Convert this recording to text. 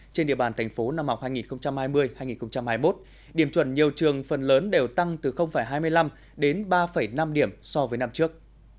trên địa bàn tp nhcm hai nghìn hai mươi hai nghìn hai mươi một điểm chuẩn nhiều trường phần lớn đều tăng từ hai mươi năm đến ba năm điểm so với năm trước